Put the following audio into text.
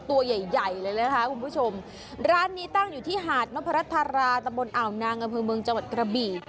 ตัวใหญ่ใหญ่เลยนะคะคุณผู้ชมร้านนี้ตั้งอยู่ที่หาดนพรัฐราตะบนอ่าวนางอำเภอเมืองจังหวัดกระบี่